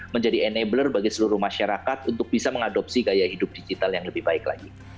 menjadi enabler bagi seluruh masyarakat untuk bisa mengadopsi gaya hidup digital yang lebih baik lagi